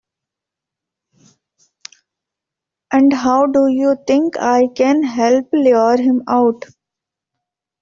And how do you think I can help lure him out?